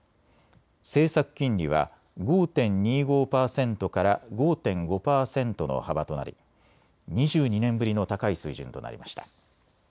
政策金利は５．２５％から５．５％の幅となり２２年ぶりの高い水準となりました。